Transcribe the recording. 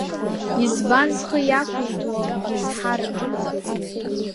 Избан зхы иақәиҭу акгьы зҳарымҳәо?